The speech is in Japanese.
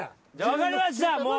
分かりましたもう。